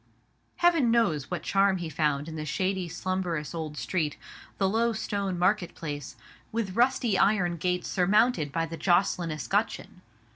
Heaven knows what charm he found in the shady slumberous old street, the low stone market place, with rusty iron gates surmounted by the Jocelyn escutcheon.